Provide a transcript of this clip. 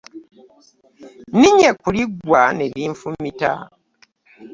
Nniinye ku liggwa neerinfumita.